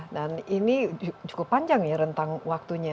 dan ini cukup panjang ya rentang waktunya